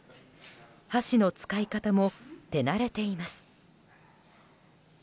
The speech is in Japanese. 箸の使い方も手慣れています。